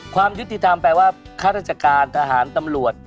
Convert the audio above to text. ความยุติธรรมแปลว่าข้าราชการทหารตำรวจ